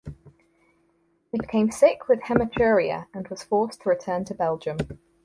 He became sick with hematuria and was forced to return to Belgium.